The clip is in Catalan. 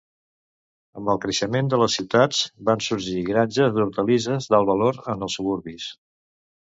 Amb el creixement de les ciutats, van sorgir granges d'hortalisses d'alt valor en els suburbis.